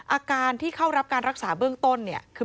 อาการที่เข้ารับการรักษาเบื้องต้นเนี่ยคือ